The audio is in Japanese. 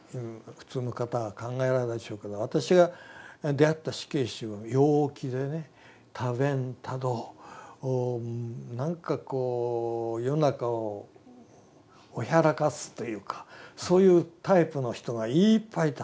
普通の方は考えられるでしょうけど私が出会った死刑囚は陽気でね多弁多動なんかこう世の中をおひゃらかすというかそういうタイプの人がいっぱいいた。